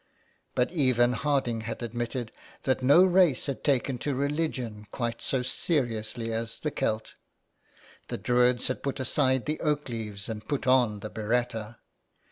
But even Harding had admitted that no race had taken to religion quite so seriously as the Celt. The Druids had put aside the oak leaves and put on the biretta.